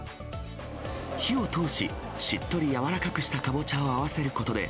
火を通し、しっとり柔らかくしたかぼちゃを合わせることで、